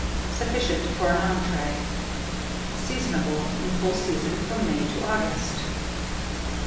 Sufficient for an entrée. Seasonable. In full season from May to August.